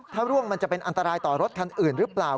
ถ้าร่วงมันจะเป็นอันตรายต่อรถคันอื่นหรือเปล่า